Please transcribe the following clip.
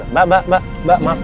mbak mbak mbak mbak maaf